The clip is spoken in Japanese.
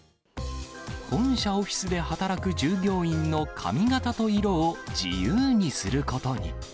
本社オフィスで働く従業員の髪形と色を自由にすることに。